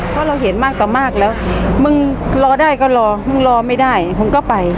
เพราะเราเห็นมากต่อมากแล้วมึงรอได้ก็รอมึงรอไม่ได้มึงก็ไป